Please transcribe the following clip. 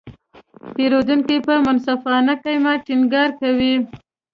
پیرودونکي په منصفانه قیمت ټینګار کوي.